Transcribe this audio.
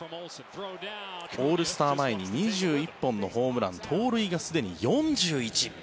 オールスター前に２１本のホームラン盗塁がすでに４１。